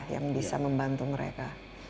yang bisa membantu mereka